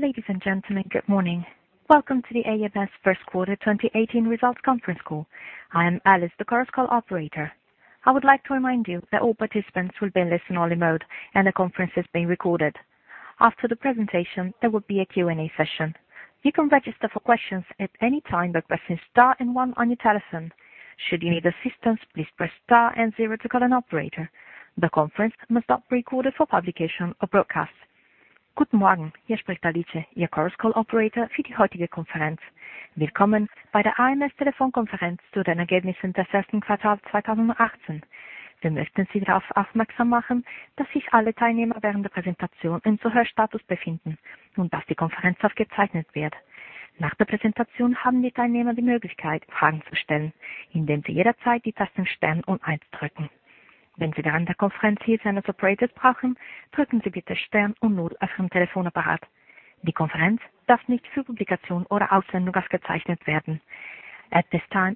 Ladies and gentlemen, good morning. Welcome to the ams first quarter 2018 results conference call. I am Alice, the Chorus Call operator. I would like to remind you that all participants will be in listen-only mode and the conference is being recorded. After the presentation, there will be a Q&A session. You can register for questions at any time by pressing star and one on your telephone. Should you need assistance, please press star and zero to call an operator. The conference must not be recorded for publication or broadcast. At this time,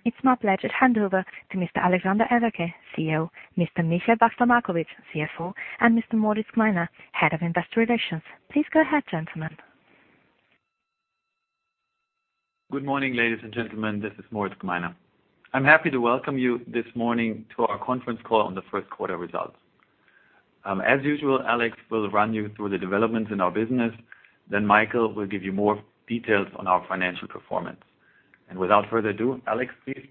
it's my pleasure to hand over to Mr. Alexander Everke, CEO, Mr. Michael Wachsler-Markowitsch, CFO, and Mr. Moritz Gmeiner, Head of Investor Relations. Please go ahead, gentlemen. Good morning, ladies and gentlemen. This is Moritz Gmeiner. I'm happy to welcome you this morning to our conference call on the first quarter results. As usual, Alex will run you through the developments in our business, then Michael will give you more details on our financial performance. Without further ado, Alex, please.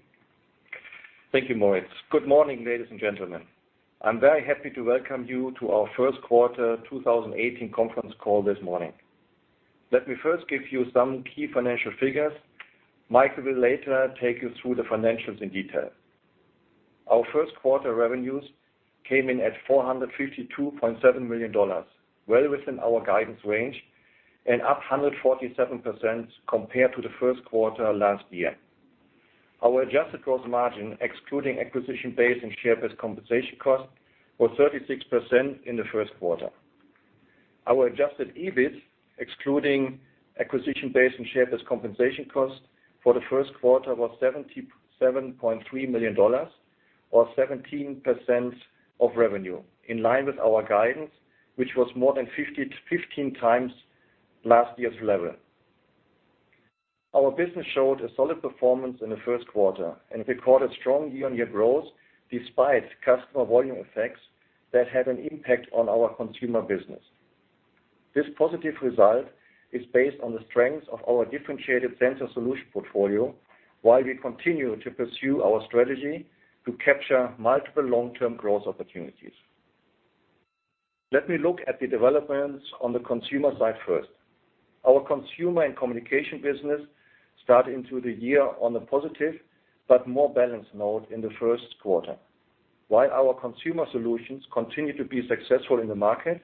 Thank you, Moritz. Good morning, ladies and gentlemen. I'm very happy to welcome you to our first quarter 2018 conference call this morning. Let me first give you some key financial figures. Michael will later take you through the financials in detail. Our first quarter revenues came in at $452.7 million, well within our guidance range and up 147% compared to the first quarter last year. Our adjusted gross margin, excluding acquisition-based and share-based compensation cost, was 36% in the first quarter. Our adjusted EBIT, excluding acquisition-based and share-based compensation cost for the first quarter, was $77.3 million or 17% of revenue, in line with our guidance, which was more than 15 times last year's level. Our business showed a solid performance in the first quarter and recorded strong year-on-year growth despite customer volume effects that had an impact on our consumer business. This positive result is based on the strength of our differentiated sensor solution portfolio, while we continue to pursue our strategy to capture multiple long-term growth opportunities. Let me look at the developments on the consumer side first. Our consumer and communication business started into the year on a positive but more balanced note in the first quarter. While our consumer solutions continue to be successful in the market,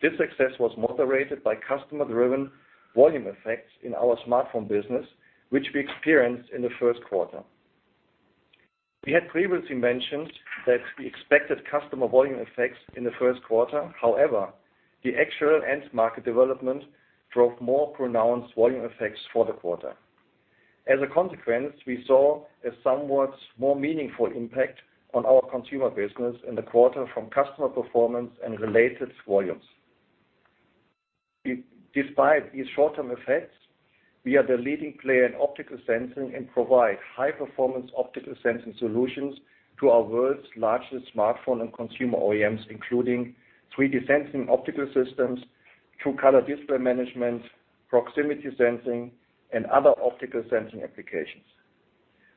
this success was moderated by customer-driven volume effects in our smartphone business, which we experienced in the first quarter. We had previously mentioned that we expected customer volume effects in the first quarter. However, the actual end market development drove more pronounced volume effects for the quarter. As a consequence, we saw a somewhat more meaningful impact on our consumer business in the quarter from customer performance and related volumes. Despite these short-term effects, we are the leading player in optical sensing and provide high-performance optical sensing solutions to our world's largest smartphone and consumer OEMs, including 3D sensing optical systems, true color display management, proximity sensing, and other optical sensing applications.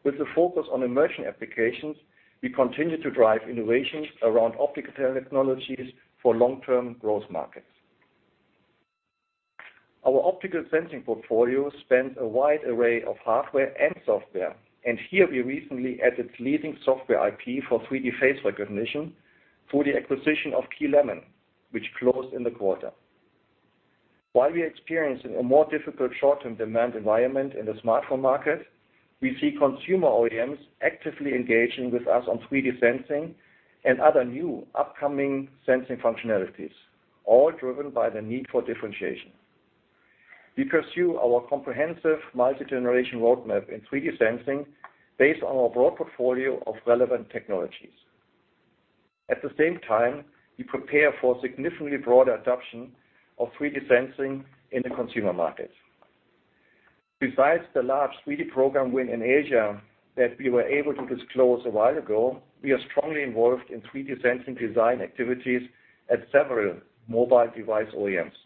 With the focus on immersion applications, we continue to drive innovations around optical technologies for long-term growth markets. Our optical sensing portfolio spans a wide array of hardware and software. Here we recently added leading software IP for 3D face recognition through the acquisition of KeyLemon, which closed in the quarter. While we are experiencing a more difficult short-term demand environment in the smartphone market, we see consumer OEMs actively engaging with us on 3D sensing and other new upcoming sensing functionalities, all driven by the need for differentiation. We pursue our comprehensive multi-generation roadmap in 3D sensing based on our broad portfolio of relevant technologies. At the same time, we prepare for significantly broader adoption of 3D sensing in the consumer market. Besides the large 3D program win in Asia that we were able to disclose a while ago, we are strongly involved in 3D sensing design activities at several mobile device OEMs.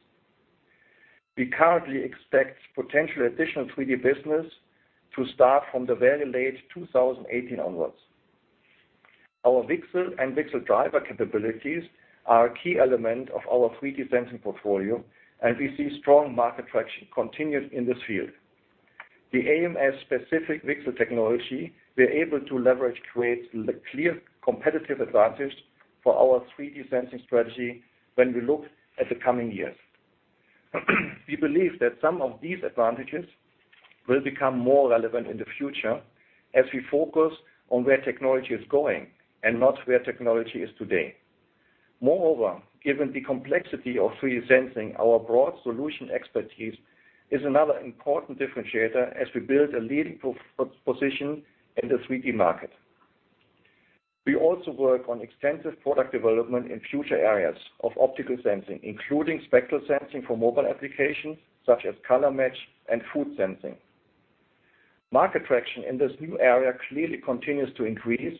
We currently expect potential additional 3D business to start from the very late 2018 onwards. Our VCSEL and VCSEL driver capabilities are a key element of our 3D sensing portfolio. We see strong market traction continued in this field. The ams specific VCSEL technology we are able to leverage creates a clear competitive advantage for our 3D sensing strategy when we look at the coming years. We believe that some of these advantages will become more relevant in the future as we focus on where technology is going and not where technology is today. Moreover, given the complexity of 3D sensing, our broad solution expertise is another important differentiator as we build a leading position in the 3D market. We also work on extensive product development in future areas of optical sensing, including spectral sensing for mobile applications such as color match and food sensing. Market traction in this new area clearly continues to increase.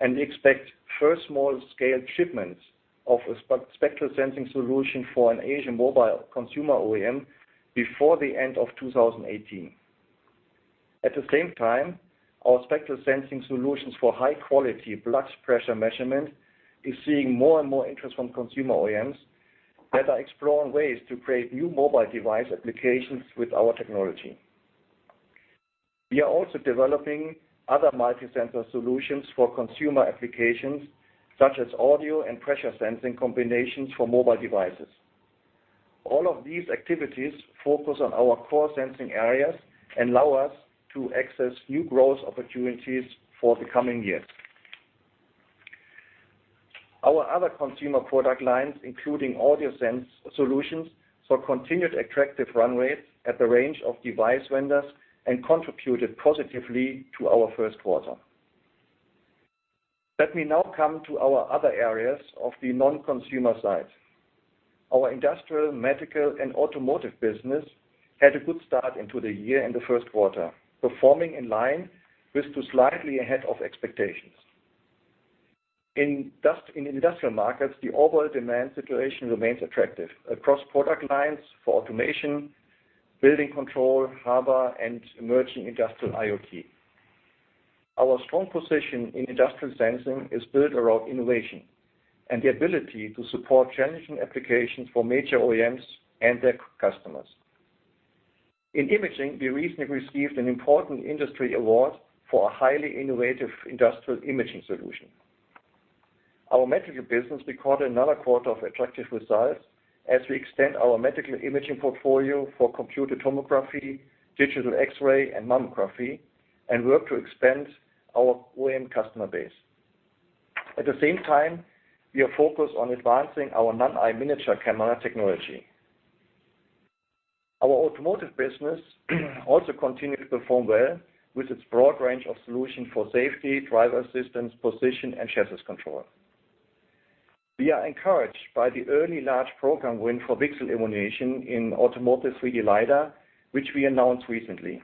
We expect first small-scale shipments of a spectral sensing solution for an Asian mobile consumer OEM before the end of 2018. At the same time, our spectral sensing solutions for high-quality blood pressure measurement is seeing more and more interest from consumer OEMs that are exploring ways to create new mobile device applications with our technology. We are also developing other multi-sensor solutions for consumer applications, such as audio and pressure sensing combinations for mobile devices. All of these activities focus on our core sensing areas and allow us to access new growth opportunities for the coming years. Our other consumer product lines, including audio sense solutions, saw continued attractive run rates at the range of device vendors and contributed positively to our first quarter. Let me now come to our other areas of the non-consumer side. Our industrial, medical, and automotive business had a good start into the year in the first quarter, performing in line with to slightly ahead of expectations. In industrial markets, the overall demand situation remains attractive across product lines for automation, building control, harbor, and emerging industrial IoT. Our strong position in industrial sensing is built around innovation and the ability to support challenging applications for major OEMs and their customers. In imaging, we recently received an important industry award for a highly innovative industrial imaging solution. Our medical business recorded another quarter of attractive results as we extend our medical imaging portfolio for computed tomography, digital X-ray, and mammography, and work to expand our OEM customer base. At the same time, we are focused on advancing our NanEye miniature camera technology. Our automotive business also continued to perform well with its broad range of solutions for safety, driver assistance, position, and chassis control. We are encouraged by the early large program win for VCSEL illumination in automotive 3D LiDAR, which we announced recently.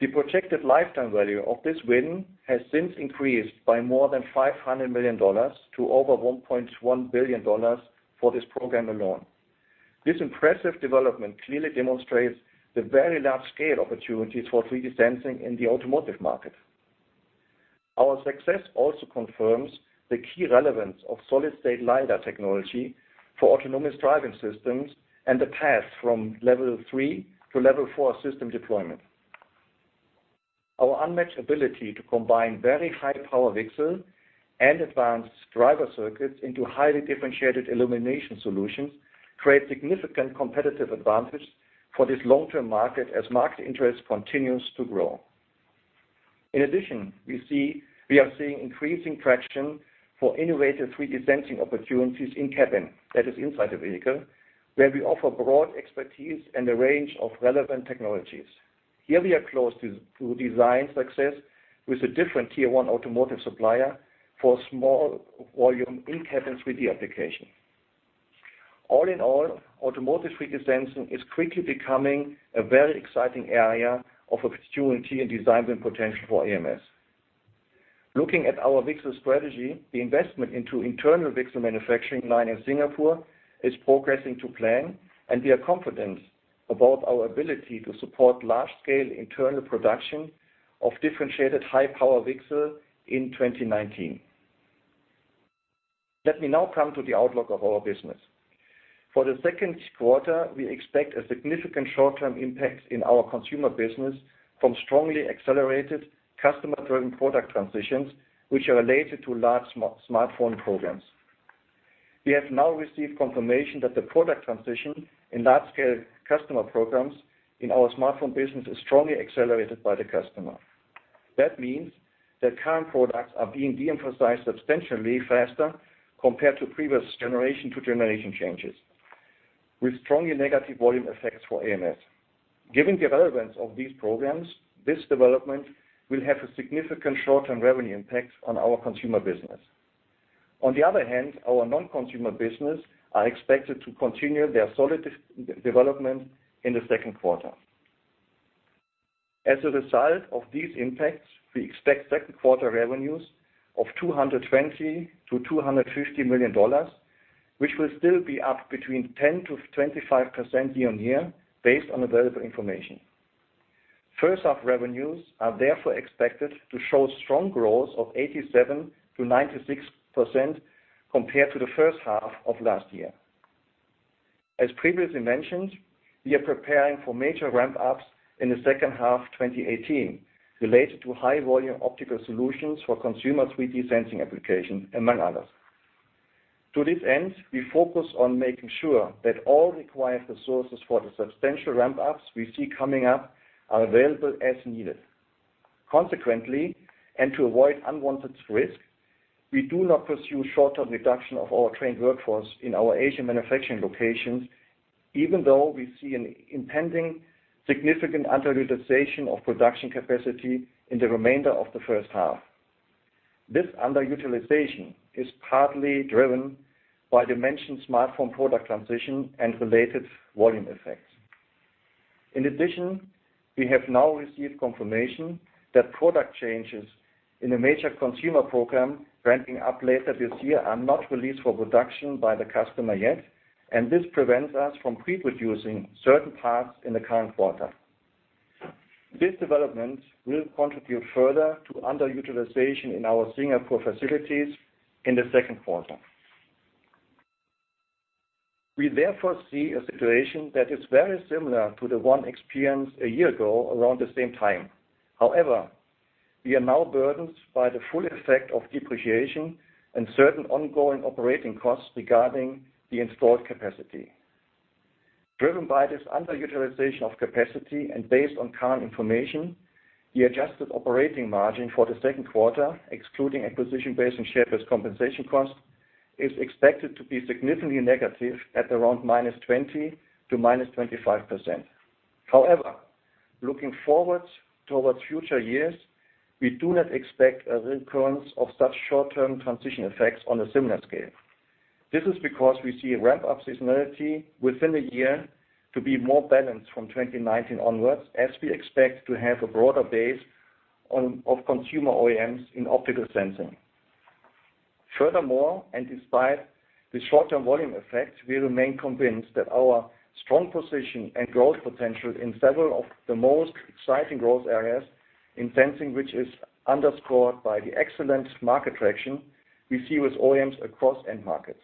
The projected lifetime value of this win has since increased by more than $500 million to over $1.1 billion for this program alone. This impressive development clearly demonstrates the very large-scale opportunities for 3D sensing in the automotive market. Our success also confirms the key relevance of solid-state LiDAR technology for autonomous driving systems and the path from Level 3 to Level 4 system deployment. Our unmatched ability to combine very high-power VCSEL and advanced driver circuits into highly differentiated illumination solutions create significant competitive advantage for this long-term market as market interest continues to grow. In addition, we are seeing increasing traction for innovative 3D sensing opportunities in-cabin, that is inside the vehicle, where we offer broad expertise and a range of relevant technologies. Here we are close to design success with a different Tier 1 automotive supplier for small volume in-cabin 3D application. All in all, automotive 3D sensing is quickly becoming a very exciting area of opportunity and design win potential for ams. Looking at our VCSEL strategy, the investment into internal VCSEL manufacturing line in Singapore is progressing to plan, and we are confident about our ability to support large-scale internal production of differentiated high-power VCSEL in 2019. Let me now come to the outlook of our business. For the second quarter, we expect a significant short-term impact in our consumer business from strongly accelerated customer-driven product transitions, which are related to large smartphone programs. We have now received confirmation that the product transition in large-scale customer programs in our smartphone business is strongly accelerated by the customer. That means that current products are being de-emphasized substantially faster compared to previous generation to generation changes, with strongly negative volume effects for ams. Given the relevance of these programs, this development will have a significant short-term revenue impact on our consumer business. On the other hand, our non-consumer business are expected to continue their solid development in the second quarter. As a result of these impacts, we expect second quarter revenues of $220 million-$250 million, which will still be up between 10%-25% year-on-year based on available information. First half revenues are therefore expected to show strong growth of 87%-96% compared to the first half of last year. As previously mentioned, we are preparing for major ramp-ups in the second half 2018 related to high-volume optical solutions for consumer 3D sensing applications, among others. To this end, we focus on making sure that all required resources for the substantial ramp-ups we see coming up are available as needed. Consequently, to avoid unwanted risk, we do not pursue short-term reduction of our trained workforce in our Asian manufacturing locations, even though we see an impending significant underutilization of production capacity in the remainder of the first half. This underutilization is partly driven by mainstream smartphone product transition and related volume effects. In addition, we have now received confirmation that product changes in a major consumer program ramping up later this year are not released for production by the customer yet, and this prevents us from pre-producing certain parts in the current quarter. This development will contribute further to underutilization in our Singapore facilities in the second quarter. We therefore see a situation that is very similar to the one experienced a year ago around the same time. However, we are now burdened by the full effect of depreciation and certain ongoing operating costs regarding the installed capacity. Driven by this underutilization of capacity and based on current information, the adjusted operating margin for the second quarter, excluding acquisition-based and share-based compensation costs, is expected to be significantly negative at around -20% to -25%. However, looking forward towards future years, we do not expect a recurrence of such short-term transition effects on a similar scale. This is because we see a ramp-up seasonality within a year to be more balanced from 2019 onwards as we expect to have a broader base of consumer OEMs in optical sensing. Furthermore, and despite the short-term volume effects, we remain convinced that our strong position and growth potential in several of the most exciting growth areas in sensing, which is underscored by the excellent market traction we see with OEMs across end markets.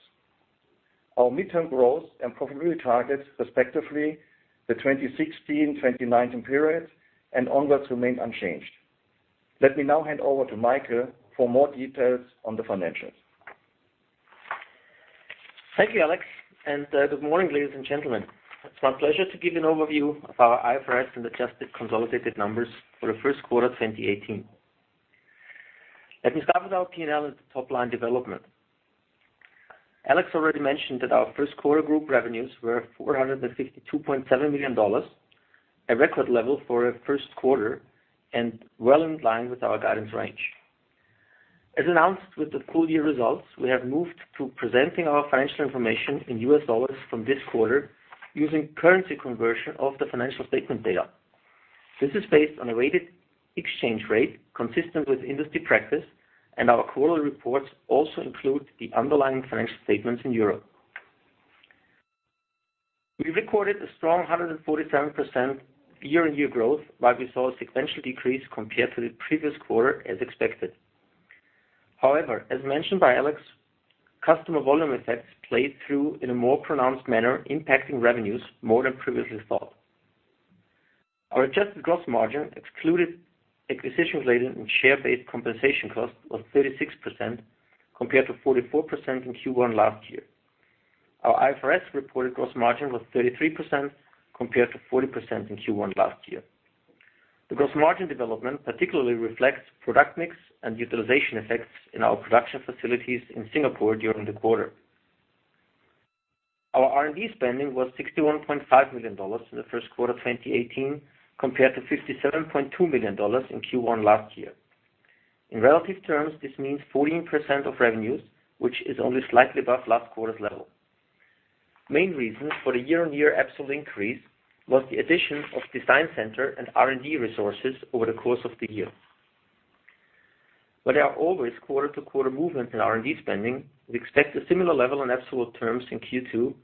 Our midterm growth and profitability targets respectively the 2016-2019 periods and onwards remain unchanged. Let me now hand over to Michael for more details on the financials. Thank you, Alex, and good morning, ladies and gentlemen. It is my pleasure to give you an overview of our IFRS and adjusted consolidated numbers for the first quarter 2018. Let me start with our P&L at the top-line development. Alex already mentioned that our first quarter group revenues were $452.7 million, a record level for a first quarter, and well in line with our guidance range. As announced with the full-year results, we have moved to presenting our financial information in US dollars from this quarter using currency conversion of the financial statement data. This is based on a weighted exchange rate consistent with industry practice, and our quarterly reports also include the underlying financial statements in Europe. We recorded a strong 147% year-over-year growth, while we saw a sequential decrease compared to the previous quarter as expected. However, as mentioned by Alex, customer volume effects played through in a more pronounced manner, impacting revenues more than previously thought. Our adjusted gross margin excluded acquisition-related and share-based compensation costs was 36%, compared to 44% in Q1 last year. Our IFRS reported gross margin was 33%, compared to 40% in Q1 last year. The gross margin development particularly reflects product mix and utilization effects in our production facilities in Singapore during the quarter. Our R&D spending was $61.5 million in the first quarter 2018, compared to $57.2 million in Q1 last year. In relative terms, this means 14% of revenues, which is only slightly above last quarter's level. Main reasons for the year-on-year absolute increase was the addition of design center and R&D resources over the course of the year. While there are always quarter-to-quarter movement in R&D spending, we expect a similar level in absolute terms in Q2,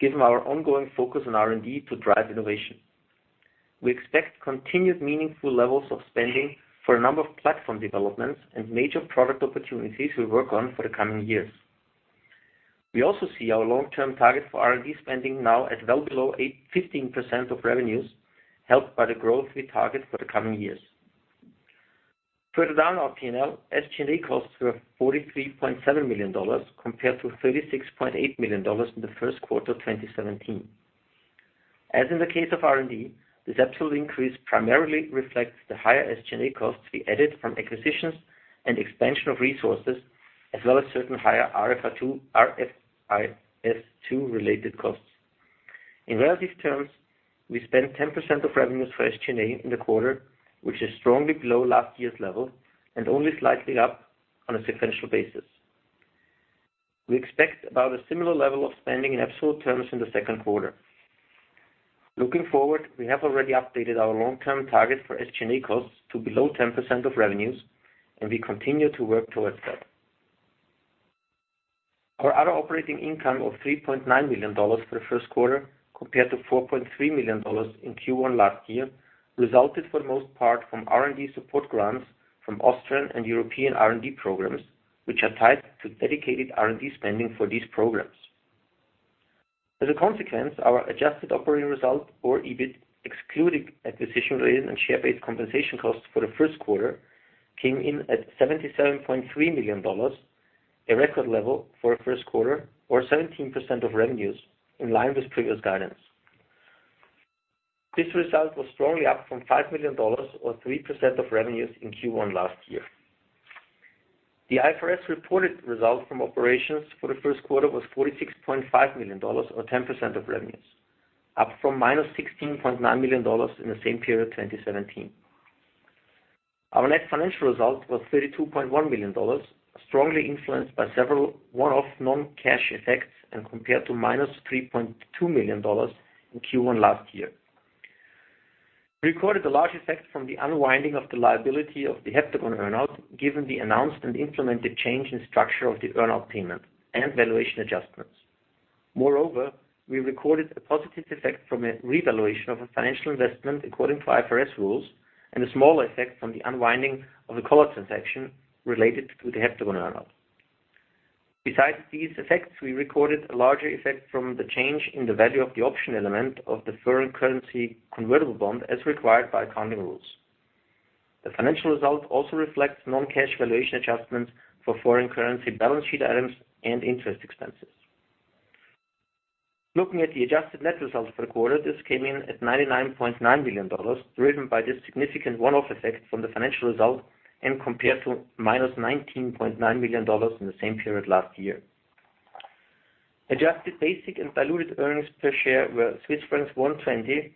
given our ongoing focus on R&D to drive innovation. We expect continued meaningful levels of spending for a number of platform developments and major product opportunities we work on for the coming years. We also see our long-term target for R&D spending now at well below 15% of revenues, helped by the growth we target for the coming years. Further down our P&L, SG&A costs were $43.7 million, compared to $36.8 million in the first quarter of 2017. As in the case of R&D, this absolute increase primarily reflects the higher SG&A costs we added from acquisitions and expansion of resources, as well as certain higher IFRS 2-related costs. In relative terms, we spent 10% of revenues for SG&A in the quarter, which is strongly below last year's level and only slightly up on a sequential basis. We expect about a similar level of spending in absolute terms in the second quarter. Looking forward, we have already updated our long-term target for SG&A costs to below 10% of revenues, and we continue to work towards that. Our other operating income of $3.9 million for the first quarter, compared to $4.3 million in Q1 last year, resulted for the most part from R&D support grants from Austrian and European R&D programs, which are tied to dedicated R&D spending for these programs. As a consequence, our adjusted operating result or EBIT, excluding acquisition-related and share-based compensation costs for the first quarter, came in at $77.3 million, a record level for a first quarter or 17% of revenues in line with previous guidance. This result was strongly up from $5 million or 3% of revenues in Q1 last year. The IFRS reported result from operations for the first quarter was $46.5 million or 10% of revenues, up from -$16.9 million in the same period 2017. Our net financial result was $32.1 million, strongly influenced by several one-off non-cash effects and compared to -$3.2 million in Q1 last year. We recorded a large effect from the unwinding of the liability of the Heptagon earn-out, given the announced and implemented change in structure of the earn-out payment and valuation adjustments. Moreover, we recorded a positive effect from a revaluation of a financial investment according to IFRS rules and a smaller effect from the unwinding of a call option related to the Heptagon earn-out. Besides these effects, we recorded a larger effect from the change in the value of the option element of the foreign currency convertible bond as required by accounting rules. The financial result also reflects non-cash valuation adjustments for foreign currency balance sheet items and interest expenses. Looking at the adjusted net results for the quarter, this came in at $99.9 million, driven by this significant one-off effect from the financial result and compared to -$19.9 million in the same period last year. Adjusted basic and diluted earnings per share were Swiss francs 1.20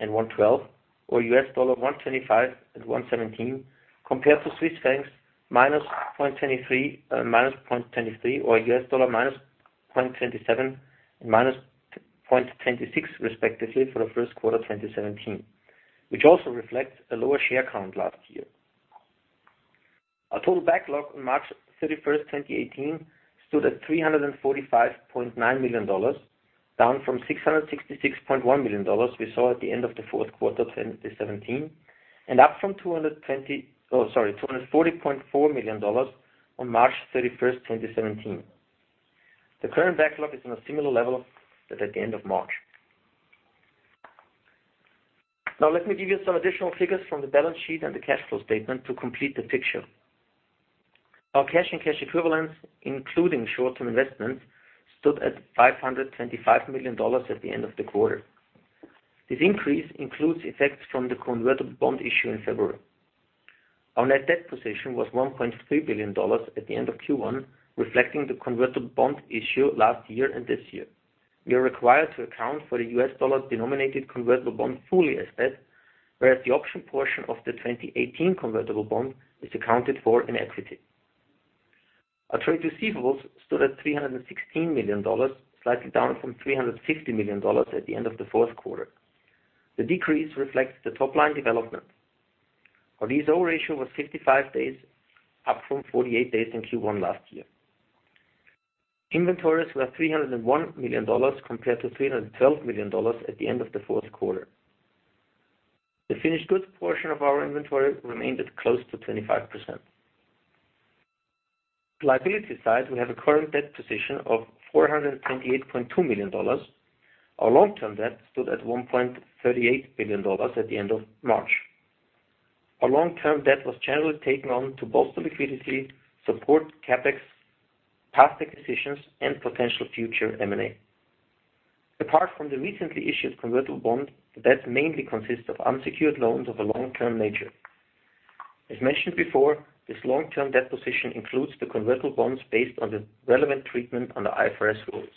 and 1.12, or $1.25 and $1.17, compared to -0.23 Swiss francs or $ -0.27 and $ -0.26 respectively for the first quarter of 2017, which also reflects a lower share count last year. Our total backlog on March 31st, 2018, stood at $345.9 million, down from $666.1 million we saw at the end of the fourth quarter of 2017 and up from $240.4 million on March 31st, 2017. The current backlog is on a similar level that at the end of March. Let me give you some additional figures from the balance sheet and the cash flow statement to complete the picture. Our cash and cash equivalents, including short-term investments, stood at $525 million at the end of the quarter. This increase includes effects from the convertible bond issue in February. Our net debt position was $1.3 billion at the end of Q1, reflecting the convertible bond issue last year and this year. We are required to account for the US dollar-denominated convertible bond fully as debt, whereas the option portion of the 2018 convertible bond is accounted for in equity. Our trade receivables stood at $316 million, slightly down from $350 million at the end of the fourth quarter. The decrease reflects the top-line development. Our DSO ratio was 55 days, up from 48 days in Q1 last year. Inventories were $301 million, compared to $312 million at the end of the fourth quarter. The finished goods portion of our inventory remained at close to 25%. Liability side, we have a current debt position of $428.2 million. Our long-term debt stood at $1.38 billion at the end of March. Our long-term debt was generally taken on to bolster liquidity, support CapEx, past acquisitions, and potential future M&A. Apart from the recently issued convertible bond, the debt mainly consists of unsecured loans of a long-term nature. As mentioned before, this long-term debt position includes the convertible bonds based on the relevant treatment under IFRS rules.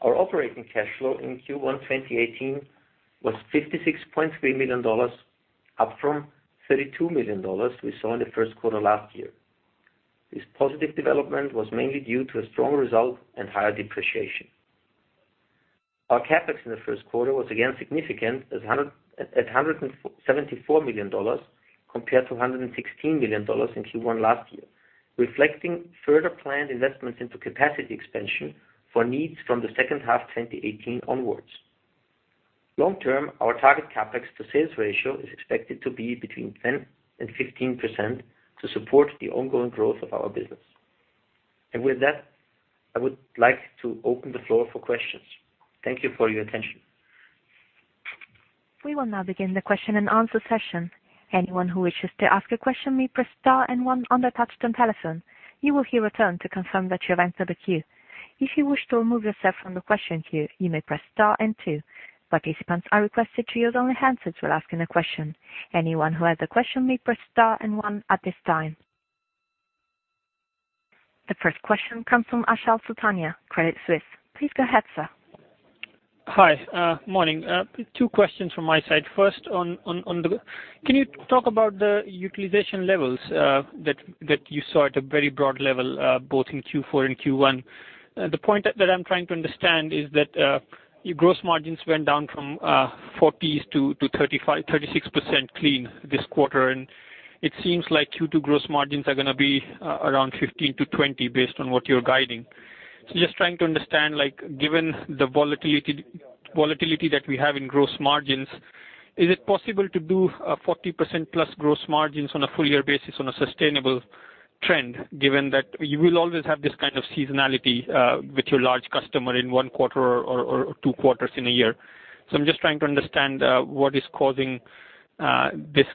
Our operating cash flow in Q1 2018 was $56.3 million, up from $32 million we saw in the first quarter last year. This positive development was mainly due to a strong result and higher depreciation. Our CapEx in the first quarter was again significant at $174 million compared to $116 million in Q1 last year, reflecting further planned investments into capacity expansion for needs from the second half 2018 onwards. Long term, our target CapEx to sales ratio is expected to be between 10%-15% to support the ongoing growth of our business. With that, I would like to open the floor for questions. Thank you for your attention. We will now begin the question and answer session. Anyone who wishes to ask a question may press star and one on their touch-tone telephone. You will hear a tone to confirm that you have entered the queue. If you wish to remove yourself from the question queue, you may press star and two. Participants are requested to use only handsets while asking a question. Anyone who has a question may press star and one at this time. The first question comes from Achal Sultania, Credit Suisse. Please go ahead, sir. Hi. Morning. Two questions from my side. First, can you talk about the utilization levels that you saw at a very broad level, both in Q4 and Q1? The point that I'm trying to understand is that your gross margins went down from 40%-36% clean this quarter, and it seems like Q2 gross margins are going to be around 15%-20% based on what you're guiding. Just trying to understand, given the volatility that we have in gross margins, is it possible to do a 40%-plus gross margins on a full-year basis on a sustainable trend, given that you will always have this kind of seasonality with your large customer in one quarter or two quarters in a year? I'm just trying to understand what is causing. What is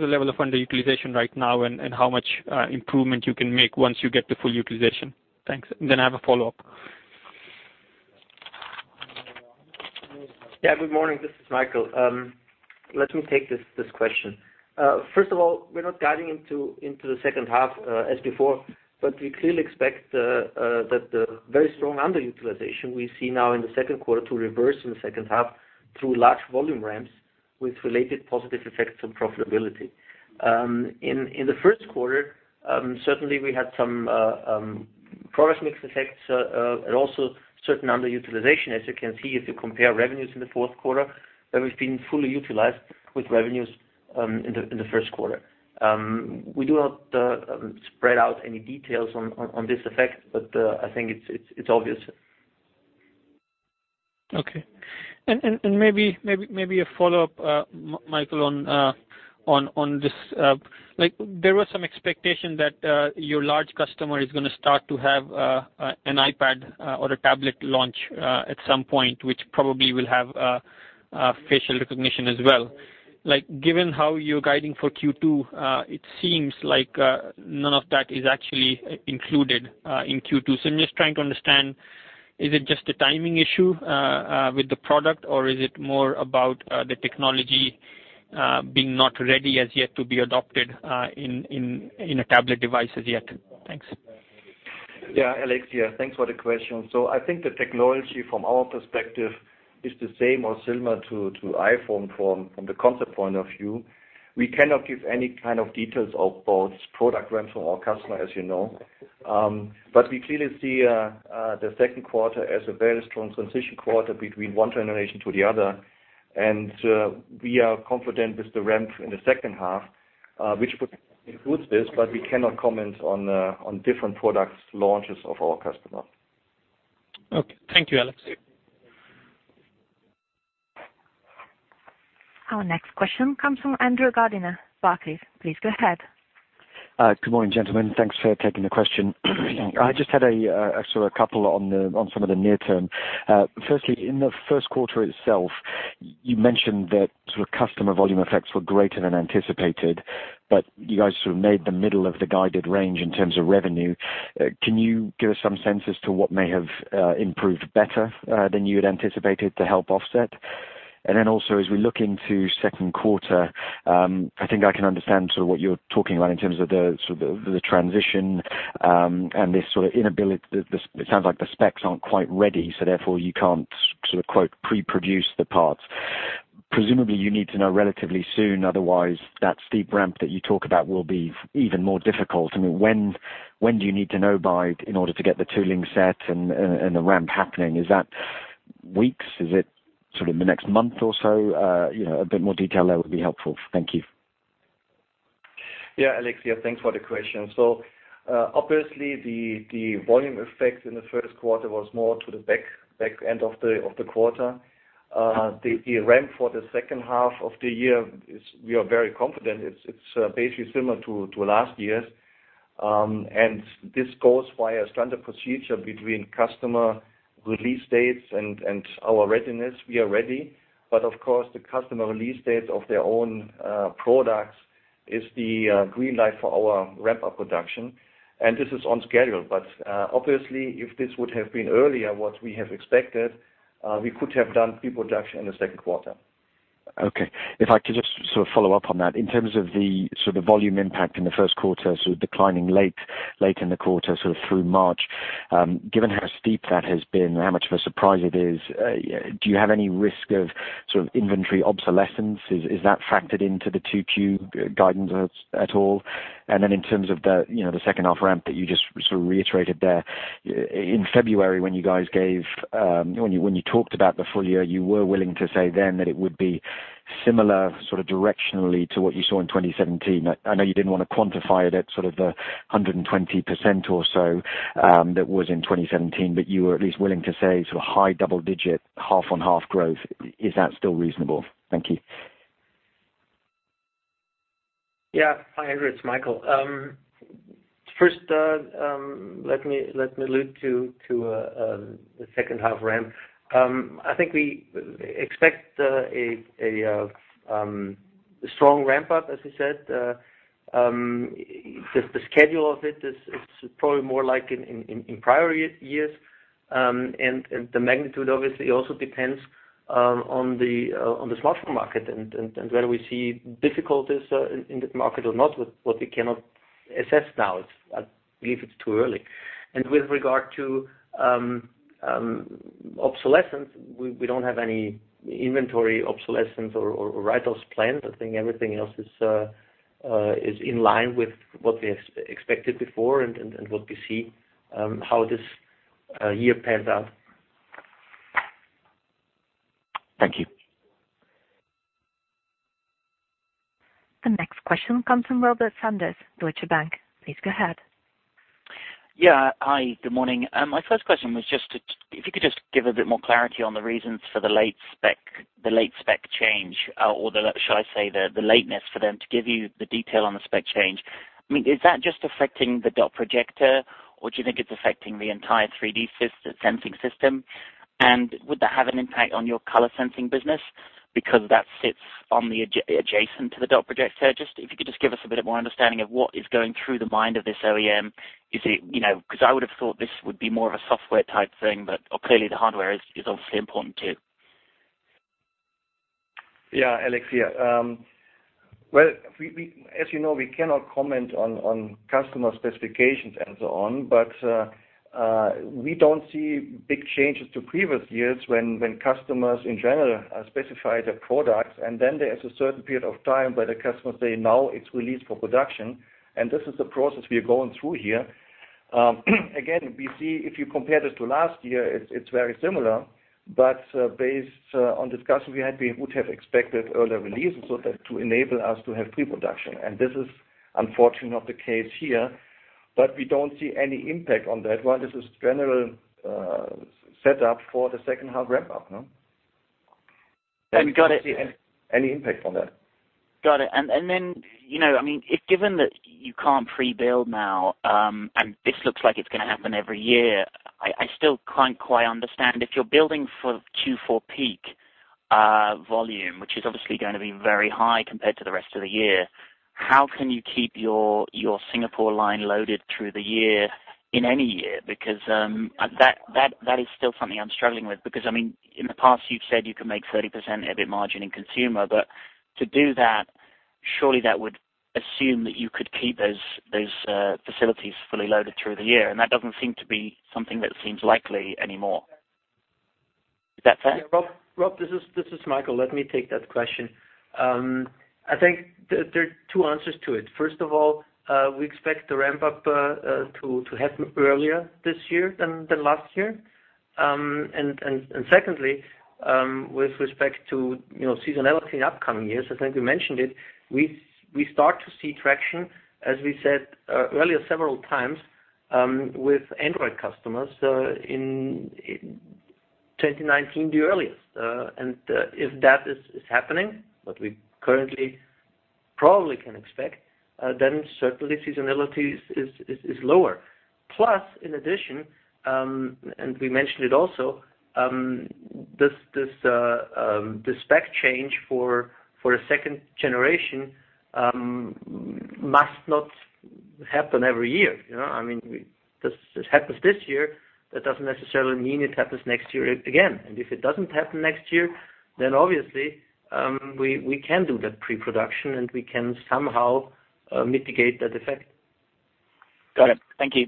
the level of underutilization right now, and how much improvement you can make once you get to full utilization? Thanks. I have a follow-up. Yeah. Good morning, this is Michael. Let me take this question. First of all, we're not guiding into the second half as before, but we clearly expect that the very strong underutilization we see now in the second quarter to reverse in the second half through large volume ramps with related positive effects on profitability. In the first quarter, certainly we had some progress mix effects, and also certain underutilization. As you can see, if you compare revenues in the fourth quarter, where we've been fully utilized with revenues in the first quarter. We do not spread out any details on this effect, but I think it's obvious. Okay. Maybe a follow-up, Michael, on this. There was some expectation that your large customer is going to start to have an iPad or a tablet launch at some point, which probably will have facial recognition as well. Given how you're guiding for Q2, it seems like none of that is actually included in Q2. I'm just trying to understand, is it just a timing issue with the product, or is it more about the technology being not ready as yet to be adopted in a tablet device as yet? Thanks. Yeah, Alexia, thanks for the question. I think the technology from our perspective is the same or similar to iPhone from the concept point of view. We cannot give any kind of details about product ramps for our customer, as you know. We clearly see the second quarter as a very strong transition quarter between one generation to the other. We are confident with the ramp in the second half, which would include this, but we cannot comment on different products launches of our customer. Okay. Thank you, Alex. Our next question comes from Andrew Gardiner, Barclays. Please go ahead. Good morning, gentlemen. Thanks for taking the question. I just had a sort of couple on some of the near term. Firstly, in the first quarter itself, you mentioned that sort of customer volume effects were greater than anticipated, but you guys sort of made the middle of the guided range in terms of revenue. Can you give us some sense as to what may have improved better than you had anticipated to help offset? Also as we look into second quarter, I think I can understand sort of what you're talking about in terms of the sort of the transition, and this sort of inability, it sounds like the specs aren't quite ready, so therefore you can't sort of quote, preproduce the parts. Presumably you need to know relatively soon, otherwise, that steep ramp that you talk about will be even more difficult. I mean, when do you need to know by in order to get the tooling set and the ramp happening? Is that weeks? Is it sort of in the next month or so? A bit more detail there would be helpful. Thank you. Yeah, Alexia, thanks for the question. Obviously the volume effect in the first quarter was more to the back end of the quarter. The ramp for the second half of the year is, we are very confident it's basically similar to last year's. This goes via standard procedure between customer release dates and our readiness. We are ready, but of course, the customer release date of their own products is the green light for our ramp-up production. This is on schedule. Obviously, if this would have been earlier what we have expected, we could have done pre-production in the second quarter. If I could just sort of follow up on that, in terms of the sort of volume impact in the first quarter, sort of declining late in the quarter, sort of through March. Given how steep that has been and how much of a surprise it is, do you have any risk of sort of inventory obsolescence? Is that factored into the 2Q guidance at all? In terms of the second half ramp that you just sort of reiterated there, in February when you guys talked about the full year, you were willing to say then that it would be similar sort of directionally to what you saw in 2017. I know you didn't want to quantify it at sort of the 120% or so that was in 2017, but you were at least willing to say sort of high double-digit, half on half growth. Is that still reasonable? Thank you. Yeah. Hi, Andrew. It's Michael. First, let me allude to the second half ramp. I think we expect a strong ramp up, as I said. Just the schedule of it is probably more like in prior years. The magnitude obviously also depends on the smartphone market and where we see difficulties in the market or not, what we cannot assess now. I believe it's too early. With regard to obsolescence, we don't have any inventory obsolescence or write-offs planned. I think everything else is in line with what we expected before and what we see how this year pans out. Thank you. The next question comes from Robert Sanders, Deutsche Bank. Please go ahead. Yeah. Hi, good morning. My first question was just, if you could just give a bit more clarity on the reasons for the late spec change or should I say the lateness for them to give you the detail on the spec change. I mean, is that just affecting the dot projector, or do you think it's affecting the entire 3D sensing system? Would that have an impact on your color sensing business? That sits on the adjacent to the dot projector. If you could just give us a bit more understanding of what is going through the mind of this OEM. I would have thought this would be more of a software type thing, but clearly the hardware is obviously important too. Yeah, Alex. Well, as you know, we cannot comment on customer specifications and so on. We don't see big changes to previous years when customers in general specify their products and then there is a certain period of time where the customers say, "Now it's released for production." This is the process we are going through here. We see if you compare this to last year, it's very similar, based on discussion we had, we would have expected earlier releases so that to enable us to have pre-production, this is unfortunately not the case here. We don't see any impact on that. Well, this is general setup for the second half ramp up. Got it. Any impact on that. Got it. Then, if given that you can't pre-build now, and this looks like it's going to happen every year, I still can't quite understand if you're building for Q4 peak volume, which is obviously going to be very high compared to the rest of the year, how can you keep your Singapore line loaded through the year, in any year? Because that is still something I'm struggling with, because in the past you've said you can make 30% EBIT margin in consumer, but to do that, surely that would assume that you could keep those facilities fully loaded through the year, and that doesn't seem to be something that seems likely anymore. Is that fair? Yeah, Rob. This is Michael. Let me take that question. I think there are two answers to it. First of all, we expect the ramp-up to happen earlier this year than last year. Secondly, with respect to seasonality in upcoming years, I think we mentioned it, we start to see traction, as we said earlier several times, with Android customers, so in 2019 the earliest. If that is happening, what we currently probably can expect, then certainly seasonality is lower. Plus, in addition, we mentioned it also, this spec change for a second generation must not happen every year. This happens this year, that doesn't necessarily mean it happens next year again. If it doesn't happen next year, then obviously, we can do that pre-production and we can somehow mitigate that effect. Got it. Thank you.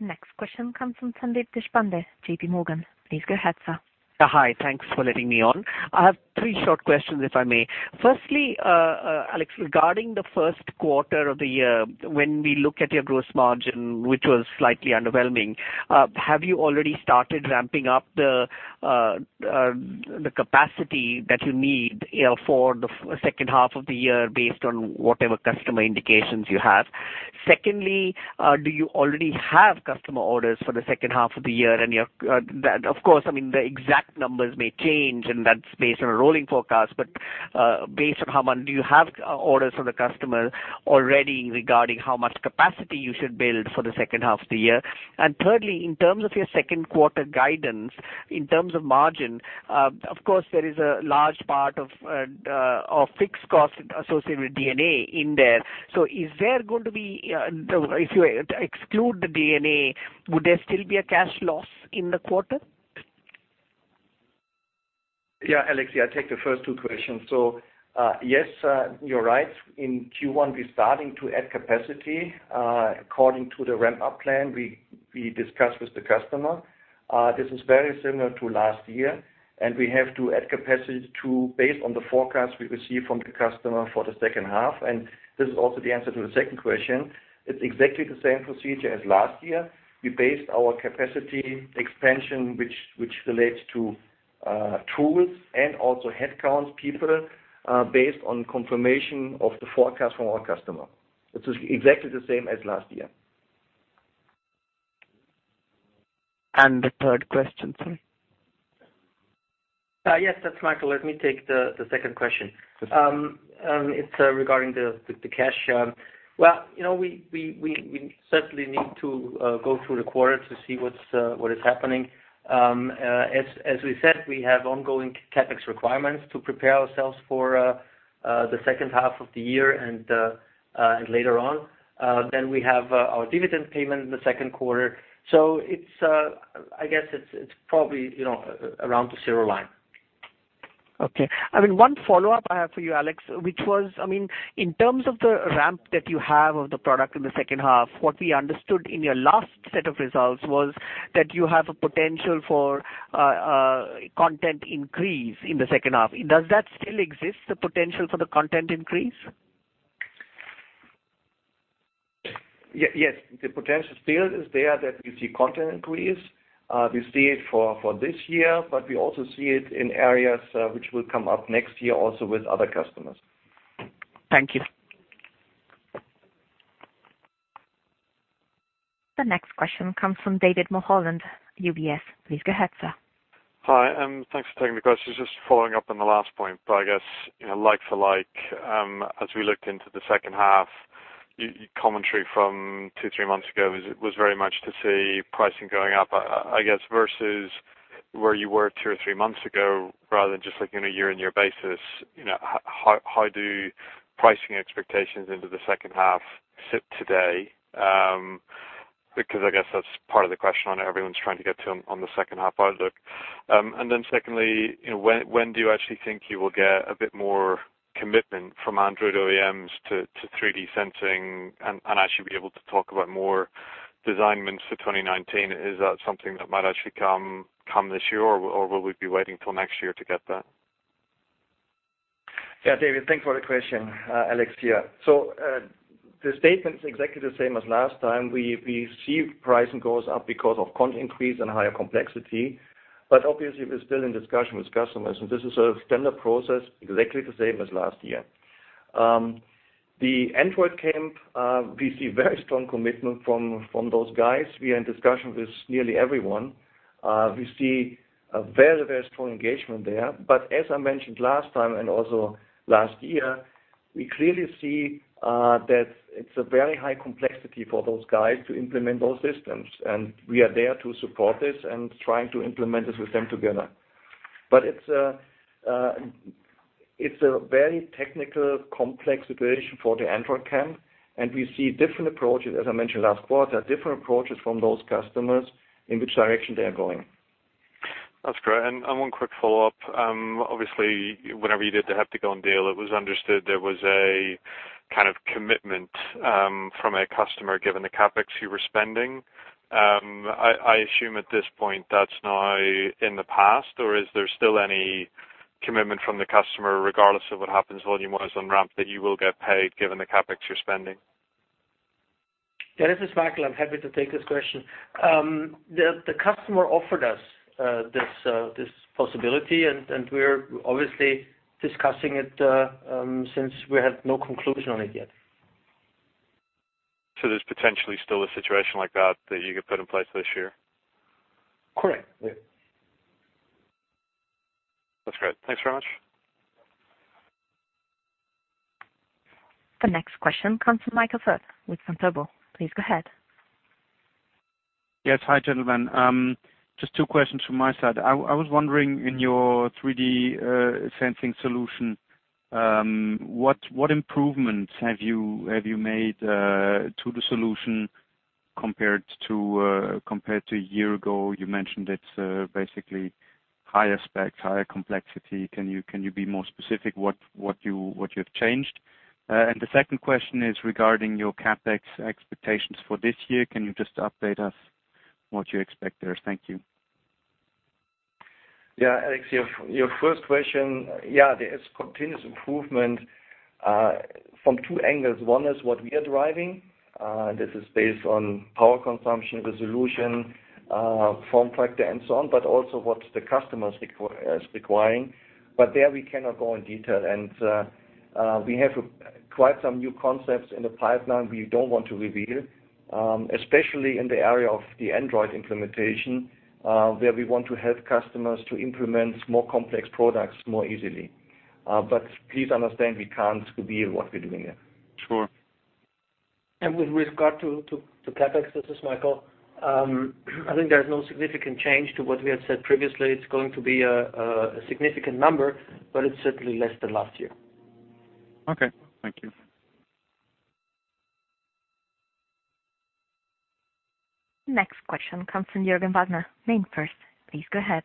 Next question comes from Sandeep Deshpande, JP Morgan. Please go ahead, sir. Hi, thanks for letting me on. I have three short questions, if I may. Firstly, Alex, regarding the first quarter of the year, when we look at your gross margin, which was slightly underwhelming, have you already started ramping up the capacity that you need for the second half of the year based on whatever customer indications you have? Secondly, do you already have customer orders for the second half of the year? Of course, the exact numbers may change, and that's based on a rolling forecast, but based on how much do you have orders from the customer already regarding how much capacity you should build for the second half of the year? Thirdly, in terms of your second quarter guidance, in terms of margin, of course there is a large part of fixed cost associated with D&A in there. If you exclude the D&A, would there still be a cash loss in the quarter? Yeah, Alex, I take the first two questions. Yes, you're right. In Q1, we're starting to add capacity, according to the ramp-up plan we discussed with the customer. This is very similar to last year, and we have to add capacity based on the forecast we receive from the customer for the second half. This is also the answer to the second question. It's exactly the same procedure as last year. We based our capacity expansion, which relates to tools and also headcounts, people, based on confirmation of the forecast from our customer. It is exactly the same as last year. the third question, sir. Yes, that's Michael. Let me take the second question. Okay. It's regarding the cash. Well, we certainly need to go through the quarter to see what is happening. As we said, we have ongoing CapEx requirements to prepare ourselves for the second half of the year and later on. We have our dividend payment in the second quarter. I guess it's probably around the zero line. Okay. One follow-up I have for you, Alex, which was, in terms of the ramp that you have of the product in the second half, what we understood in your last set of results was that you have a potential for content increase in the second half. Does that still exist, the potential for the content increase? Yes. The potential still is there that we see content increase. We see it for this year, but we also see it in areas which will come up next year also with other customers. Thank you. The next question comes from David Mulholland, UBS. Please go ahead, sir. Hi. Thanks for taking the questions. Just following up on the last point. I guess, like for like, as we look into the second half. Your commentary from two, three months ago was very much to see pricing going up, I guess, versus where you were two or three months ago rather than just like in a year-over-year basis. How do pricing expectations into the second half sit today? I guess that's part of the question I know everyone's trying to get to on the second half outlook. Secondly, when do you actually think you will get a bit more commitment from Android OEMs to 3D sensing and actually be able to talk about more design wins for 2019? Is that something that might actually come this year, or will we be waiting till next year to get that? David, thanks for the question. Alex here. The statement's exactly the same as last time. We see pricing goes up because of content increase and higher complexity, obviously we're still in discussion with customers, this is a standard process, exactly the same as last year. The Android camp, we see very strong commitment from those guys. We are in discussion with nearly everyone. We see a very strong engagement there. As I mentioned last time and also last year, we clearly see that it's a very high complexity for those guys to implement those systems, we are there to support this and trying to implement this with them together. It's a very technical, complex situation for the Android camp, we see different approaches, as I mentioned last quarter, different approaches from those customers in which direction they are going. That's great. One quick follow-up. Obviously, whenever you did the Heptagon deal, it was understood there was a kind of commitment from a customer, given the CapEx you were spending. I assume at this point that's now in the past, or is there still any commitment from the customer, regardless of what happens volume-wise on ramp, that you will get paid given the CapEx you're spending? This is Michael. I'm happy to take this question. The customer offered us this possibility, we're obviously discussing it since we have no conclusion on it yet. There's potentially still a situation like that you could put in place this year? Correct. Yeah. That's great. Thanks very much. The next question comes from Michael Furth with Stifel. Please go ahead. Yes. Hi, gentlemen. Just two questions from my side. I was wondering, in your 3D sensing solution, what improvements have you made to the solution compared to a year ago? You mentioned it's basically higher specs, higher complexity. Can you be more specific what you have changed? The second question is regarding your CapEx expectations for this year. Can you just update us what you expect there? Thank you. Alex, your first question, there is continuous improvement from two angles. One is what we are driving. This is based on power consumption, resolution, form factor, and so on, but also what the customer is requiring. But there we cannot go in detail. We have quite some new concepts in the pipeline we don't want to reveal, especially in the area of the Android implementation, where we want to help customers to implement more complex products more easily. Please understand, we can't reveal what we're doing there. Sure. With regard to CapEx, this is Michael, I think there is no significant change to what we had said previously. It's going to be a significant number, but it's certainly less than last year. Okay. Thank you. Next question comes from Juergen Wagner, Mainfirst. Please go ahead.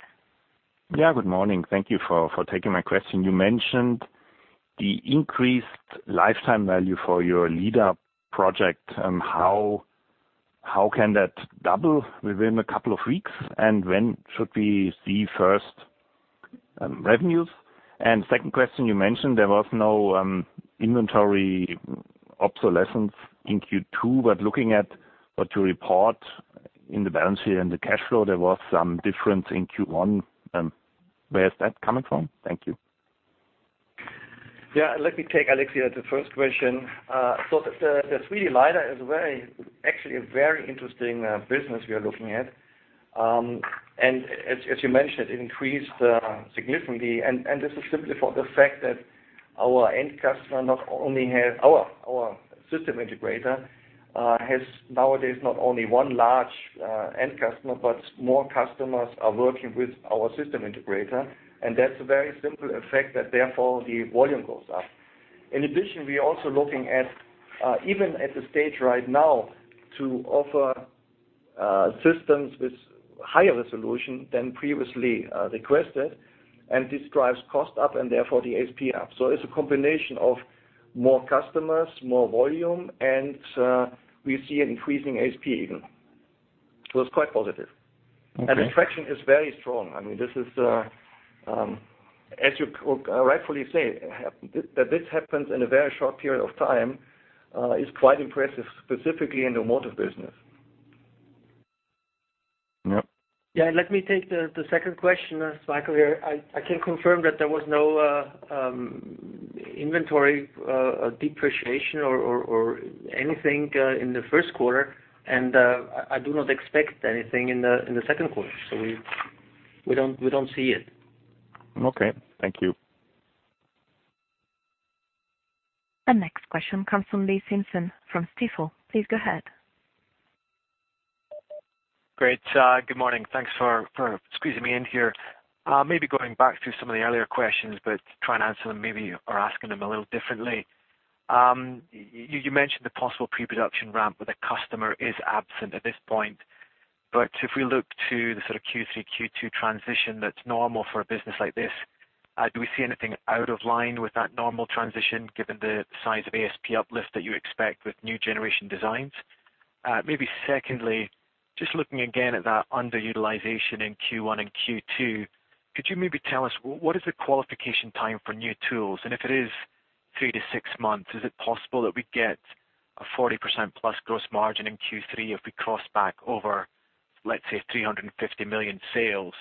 Good morning. Thank you for taking my question. You mentioned the increased lifetime value for your LiDAR project, how can that double within a couple of weeks, and when should we see first revenues? Second question, you mentioned there was no inventory obsolescence in Q2, but looking at what you report in the balance sheet and the cash flow, there was some difference in Q1. Where is that coming from? Thank you. Let me take, Alex, the first question. The 3D LiDAR is actually a very interesting business we are looking at. As you mentioned, it increased significantly, this is simply for the fact that our system integrator has nowadays not only one large end customer, but more customers are working with our system integrator, that's a very simple effect that therefore the volume goes up. In addition, we are also looking at, even at the stage right now, to offer systems with higher resolution than previously requested, and this drives cost up and therefore the ASP up. It's a combination of more customers, more volume, and we see an increasing ASP even. It's quite positive. Okay. The traction is very strong. As you rightfully say, that this happens in a very short period of time is quite impressive, specifically in the automotive business. Yep. Let me take the second question. It's Michael here. I can confirm that there was no inventory depreciation or anything in the first quarter, I do not expect anything in the second quarter. We don't see it. Okay. Thank you. The next question comes from Lee Simpson from Stifel. Please go ahead. Great. Good morning. Thanks for squeezing me in here. Maybe going back to some of the earlier questions, but try and answer them maybe or asking them a little differently. You mentioned the possible pre-production ramp with a customer is absent at this point. If we look to the sort of Q3, Q2 transition that's normal for a business like this, do we see anything out of line with that normal transition, given the size of ASP uplift that you expect with new generation designs? Maybe secondly, just looking again at that underutilization in Q1 and Q2, could you maybe tell us what is the qualification time for new tools? And if it is three to six months, is it possible that we get a 40%+ gross margin in Q3 if we cross back over, let's say, 350 million sales?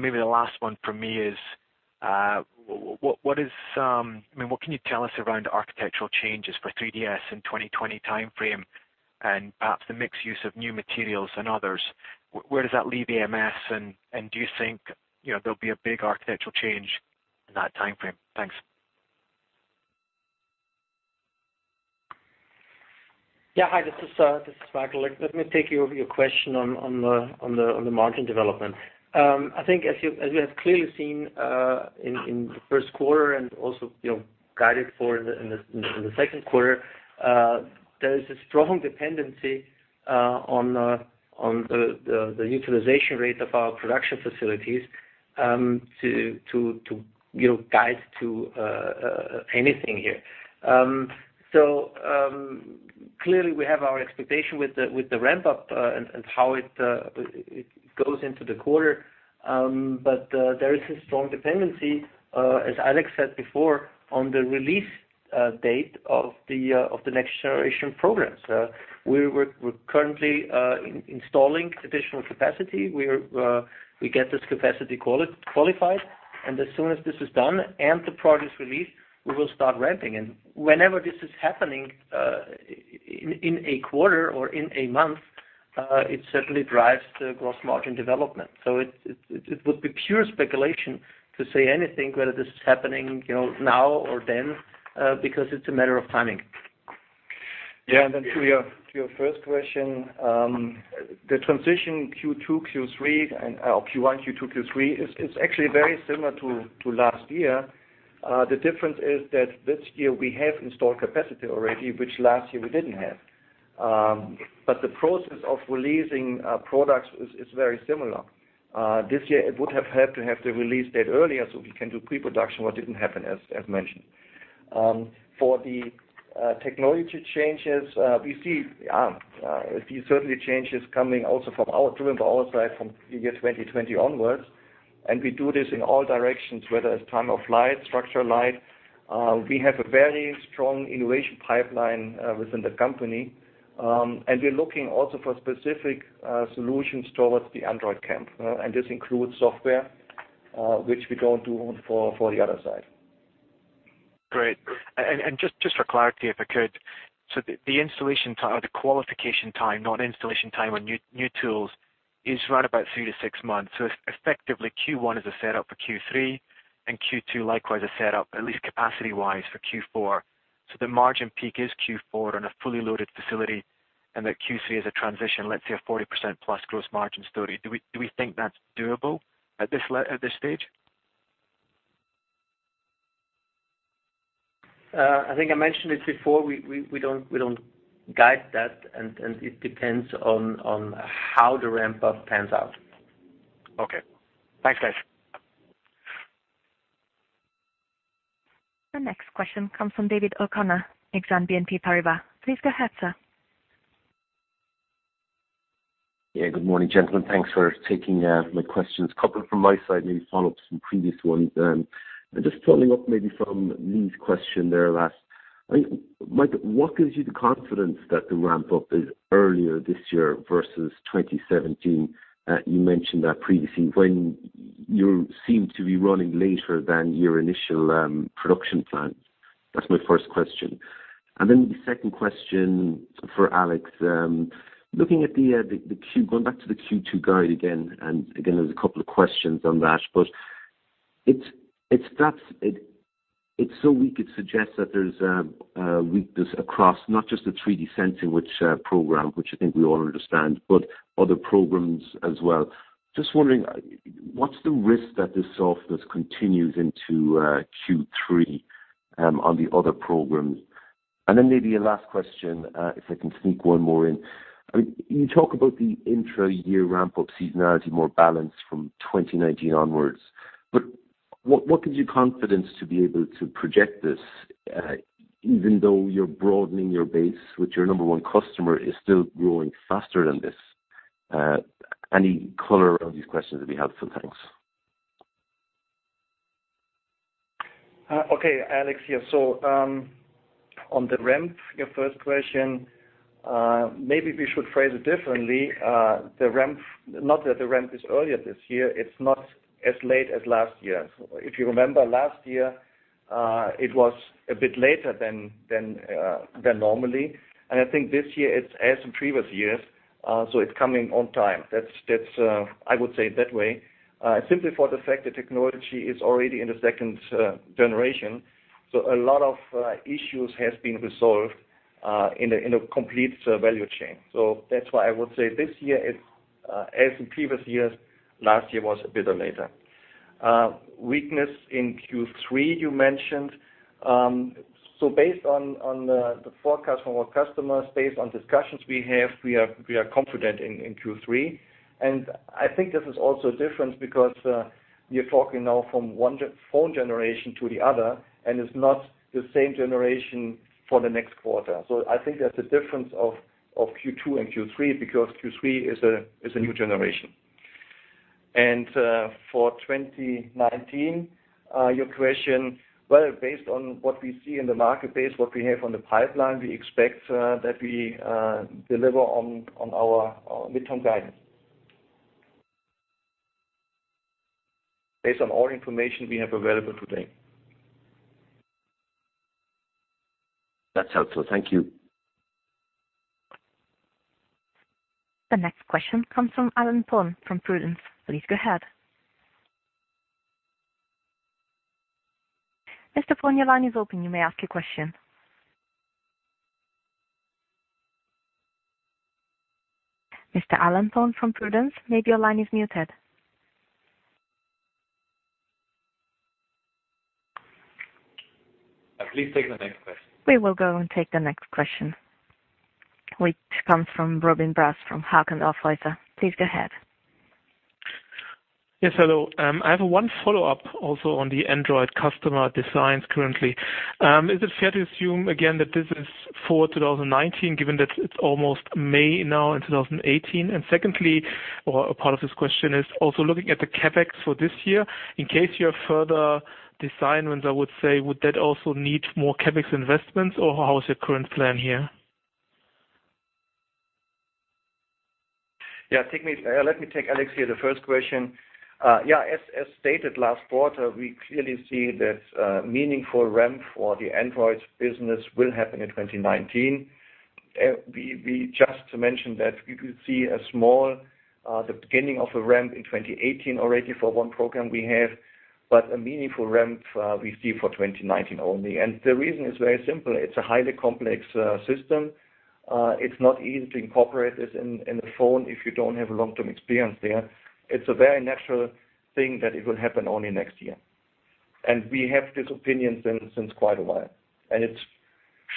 Maybe the last one from me is, what can you tell us around architectural changes for 3DS in 2020 timeframe, and perhaps the mixed use of new materials and others? Where does that leave ams? Do you think there'll be a big architectural change in that timeframe? Thanks. Yeah. Hi, this is Michael. Let me take your question on the margin development. I think as we have clearly seen in the first quarter and also guided for in the second quarter, there is a strong dependency on the utilization rate of our production facilities to guide to anything here. Clearly, we have our expectation with the ramp-up and how it goes into the quarter, but there is a strong dependency, as Alex said before, on the release date of the next generation programs. We're currently installing additional capacity. We get this capacity qualified, and as soon as this is done and the product is released, we will start ramping. Whenever this is happening in a quarter or in a month, it certainly drives the gross margin development. It would be pure speculation to say anything, whether this is happening now or then because it's a matter of timing. To your first question, the transition Q1, Q2, Q3 is actually very similar to last year. The difference is that this year we have installed capacity already, which last year we didn't have. The process of releasing products is very similar. This year, it would have had to have the release date earlier, so we can do pre-production. What didn't happen, as mentioned. For the technology changes, we see certainly changes coming also from our side from year 2020 onwards. We do this in all directions, whether it's time-of-flight, structured light. We have a very strong innovation pipeline within the company, and we're looking also for specific solutions towards the Android camp. This includes software, which we don't do for the other side. Great. Just for clarity, if I could. The qualification time, not installation time on new tools is right about three to six months. Effectively, Q1 is a set-up for Q3 and Q2 likewise, a set-up, at least capacity-wise, for Q4. The margin peak is Q4 on a fully loaded facility, and that Q3 is a transition, let's say, a 40% plus gross margin story. Do we think that's doable at this stage? I think I mentioned it before. We don't guide that, and it depends on how the ramp-up pans out. Okay. Thanks, guys. The next question comes from David O'Connor, Exane BNP Paribas. Please go ahead, sir. Yeah. Good morning, gentlemen. Thanks for taking my questions. A couple from my side, maybe follow up some previous ones. Just following up maybe from Lee's question there last. Michael, what gives you the confidence that the ramp-up is earlier this year versus 2017? You mentioned that previously when you seem to be running later than your initial production plan. That's my first question. Then the second question for Alex, going back to the Q2 guide again, and again, there's a couple of questions on that, but it's so weak it suggests that there's a weakness across, not just the 3D sensing program, which I think we all understand, but other programs as well. Just wondering, what's the risk that this softness continues into Q3 on the other programs? Then maybe a last question, if I can sneak one more in. You talk about the intra-year ramp-up seasonality more balanced from 2019 onwards. What gives you confidence to be able to project this even though you're broadening your base with your number 1 customer is still growing faster than this? Any color around these questions would be helpful. Thanks. Okay, Alex here. On the ramp, your first question. Maybe we should phrase it differently. Not that the ramp is earlier this year, it's not as late as last year. If you remember last year, it was a bit later than normally, and I think this year it's as in previous years, it's coming on time. I would say it that way. Simply for the fact the technology is already in the 2nd generation, a lot of issues have been resolved in a complete value chain. That's why I would say this year is as in previous years, last year was a bit later. Weakness in Q3, you mentioned. Based on the forecast from our customers, based on discussions we have, we are confident in Q3. I think this is also different because you're talking now from 1 phone generation to the other, and it's not the same generation for the next quarter. I think there's a difference of Q2 and Q3 because Q3 is a new generation. For 2019, your question, well, based on what we see in the marketplace, what we have on the pipeline, we expect that we deliver on our midterm guidance. Based on all information we have available today. That's helpful. Thank you. The next question comes from Alan Tong from Prudential. Please go ahead. Mr. Tong, your line is open. You may ask your question. Mr. Alan Tong from Prudential, maybe your line is muted. Please take the next question. We will go and take the next question, which comes from Robin Brass, from Hauck & Aufhäuser. Please go ahead. Yes, hello. I have one follow-up also on the Android customer designs currently. Is it fair to assume again that this is for 2019, given that it is almost May now in 2018? Secondly, or a part of this question is also looking at the CapEx for this year. In case you have further design wins, I would say, would that also need more CapEx investments, or how is your current plan here? Let me take, Alex here, the first question. As stated last quarter, we clearly see that meaningful ramp for the Android business will happen in 2019. Just to mention that we could see a small, the beginning of a ramp in 2018 already for one program we have, but a meaningful ramp we see for 2019 only. The reason is very simple. It is a highly complex system. It is not easy to incorporate this in the phone if you do not have long-term experience there. It is a very natural thing that it will happen only next year. We have this opinion since quite a while, and it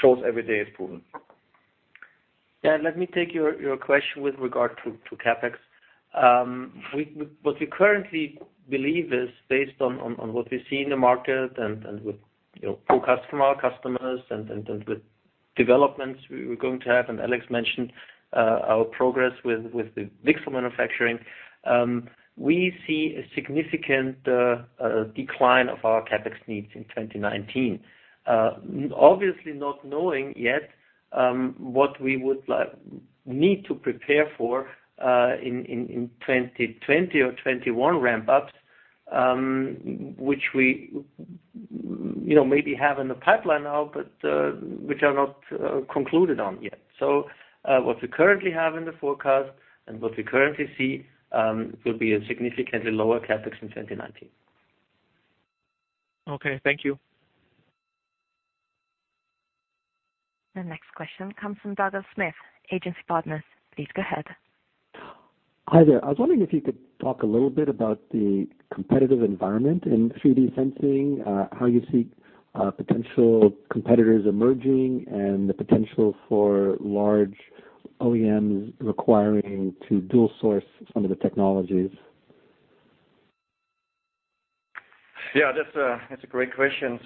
shows every day it is proven. Let me take your question with regard to CapEx. What we currently believe is based on what we see in the market and with forecast from our customers and with developments we are going to have, Alex mentioned our progress with the VCSEL manufacturing. We see a significant decline of our CapEx needs in 2019. Obviously not knowing yet what we would need to prepare for in 2020 or 2021 ramp-ups, which we maybe have in the pipeline now, but which are not concluded on yet. What we currently have in the forecast and what we currently see will be a significantly lower CapEx in 2019. Okay. Thank you. The next question comes from Douglas Smith, Agency Partners. Please go ahead. Hi there. I was wondering if you could talk a little bit about the competitive environment in 3D sensing, how you see potential competitors emerging and the potential for large OEMs requiring to dual source some of the technologies. That's a great question.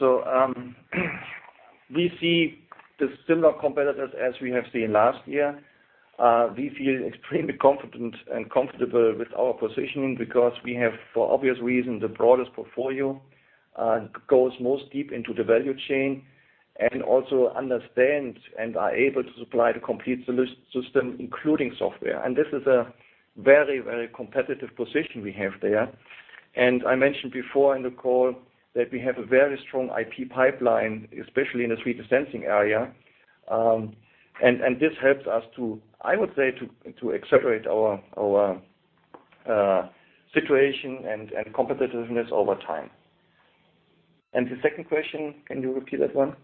We see the similar competitors as we have seen last year. We feel extremely confident and comfortable with our positioning because we have, for obvious reasons, the broadest portfolio, goes most deep into the value chain, and also understand and are able to supply the complete system, including software. This is a very, very competitive position we have there. I mentioned before in the call that we have a very strong IP pipeline, especially in the 3D sensing area. This helps us to, I would say, to accelerate our situation and competitiveness over time. The second question, can you repeat that one?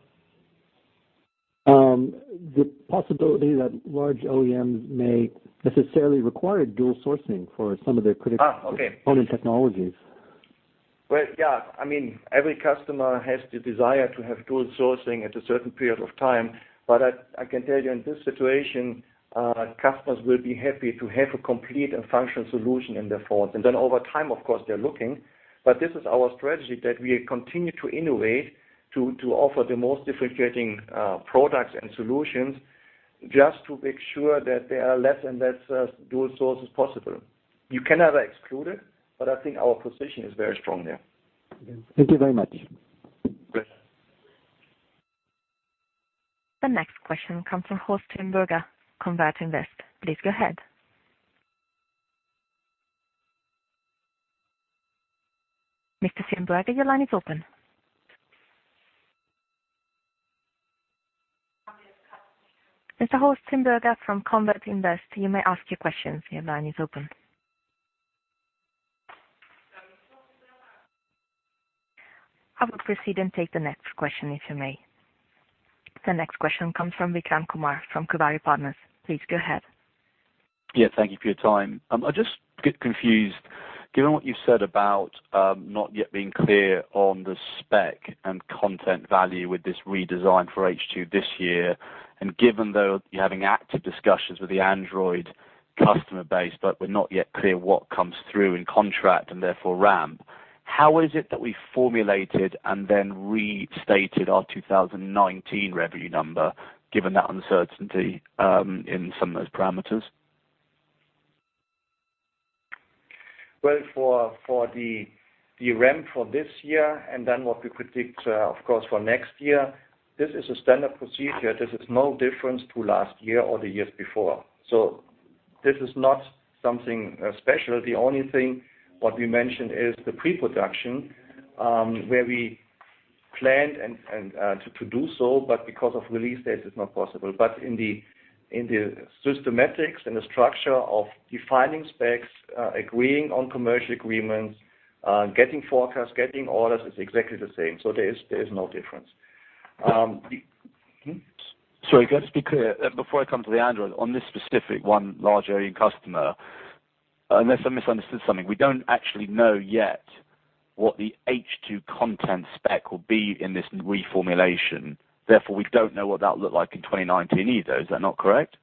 The possibility that large OEMs may necessarily require dual sourcing for some of their critical- Okay component technologies. Well, yeah. Every customer has the desire to have dual sourcing at a certain period of time. I can tell you in this situation, customers will be happy to have a complete and functional solution in their phones. Over time, of course, they're looking, but this is our strategy that we continue to innovate, to offer the most differentiating products and solutions just to make sure that there are less and less dual sources possible. You cannot exclude it, but I think our position is very strong there. Thank you very much. Great. The next question comes from Horst Simbürger, Convertinvest. Please go ahead. Mr. Simbürger, your line is open. Mr. Horst Simbürger from Convertinvest, you may ask your questions. Your line is open. I will proceed and take the next question, if I may. The next question comes from Vikram Kumar from Kuvari Partners. Please go ahead. Thank you for your time. I just get confused, given what you've said about not yet being clear on the spec and content value with this redesign for H2 this year, and given, though, you're having active discussions with the Android customer base, but we're not yet clear what comes through in contract and therefore ramp. How is it that we formulated and then restated our 2019 revenue number, given that uncertainty in some of those parameters? For the ramp for this year, and then what we predict, of course, for next year, this is a standard procedure. This is no different to last year or the years before. This is not something special. The only thing, what we mentioned is the pre-production, where we planned to do so, but because of release date, it's not possible. In the systematics and the structure of defining specs, agreeing on commercial agreements, getting forecasts, getting orders is exactly the same. There is no difference. Sorry, just to be clear, before I come to the Android, on this specific one large OEM customer, unless I misunderstood something, we don't actually know yet what the H2 content spec will be in this reformulation. We don't know what that will look like in 2019 either. Is that not correct?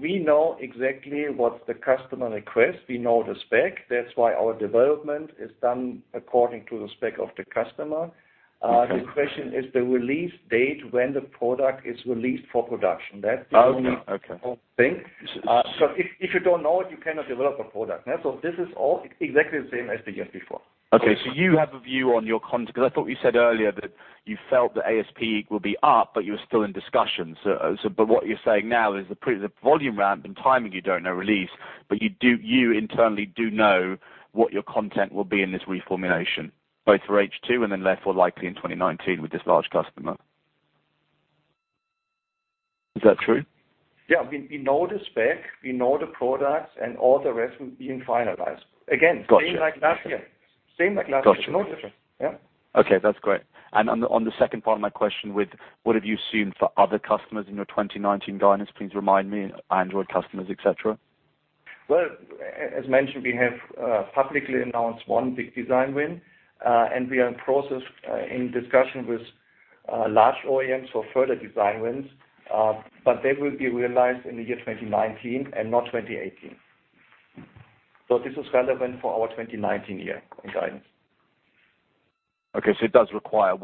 We know exactly what the customer requests. We know the spec. That's why our development is done according to the spec of the customer. Okay. The question is the release date when the product is released for production. Oh, okay. whole thing. If you don't know it, you cannot develop a product. This is all exactly the same as the years before. Okay. You have a view on your because I thought you said earlier that you felt the ASP will be up, but you were still in discussions. What you're saying now is the volume ramp and timing, you don't know release, but you internally do know what your content will be in this reformulation, both for H2 and then therefore likely in 2019 with this large customer. Is that true? Yeah. We know the spec, we know the products, and all the rest will be finalized. Got you. Same like last year. Same like last year. Got you. No difference. Yeah. Okay, that's great. On the second part of my question with what have you seen for other customers in your 2019 guidance, please remind me, Android customers, et cetera. As mentioned, we have publicly announced one big design win, and we are in process, in discussion with large OEMs for further design wins, but they will be realized in the year 2019 and not 2018. This is relevant for our 2019 year guidance. Okay. It does require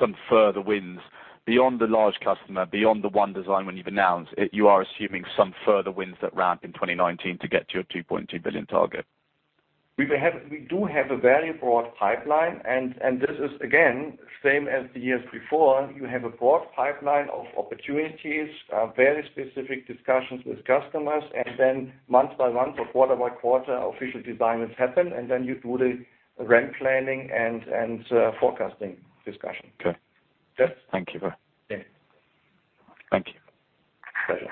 some further wins beyond the large customer, beyond the one design win you've announced. You are assuming some further wins at ramp in 2019 to get to your 2.2 billion target. We do have a very broad pipeline, and this is, again, same as the years before. You have a broad pipeline of opportunities, very specific discussions with customers, and then month by month or quarter by quarter, official design wins happen, and then you do the ramp planning and forecasting discussion. Okay. Yes. Thank you. Yeah. Thank you. Pleasure.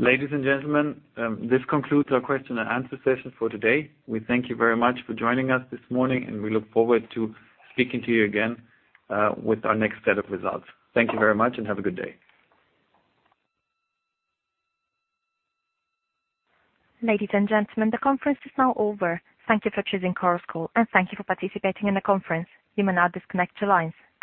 Ladies and gentlemen, this concludes our question and answer session for today. We thank you very much for joining us this morning, and we look forward to speaking to you again with our next set of results. Thank you very much and have a good day. Ladies and gentlemen, the conference is now over. Thank you for choosing Chorus Call, and thank you for participating in the conference. You may now disconnect your lines.